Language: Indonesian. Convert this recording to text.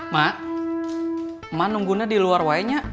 mak emak nunggunya di luar wayanya